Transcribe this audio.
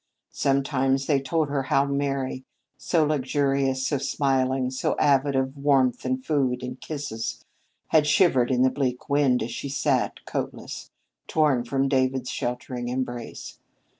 Sometimes they told her how Mary so luxurious, so smiling, so avid of warmth and food and kisses had shivered in that bleak wind, as she sat coatless, torn from David's sheltering embrace.